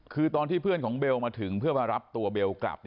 คือตอนที่เพื่อนของเบลมาถึงเพื่อมารับตัวเบลกลับ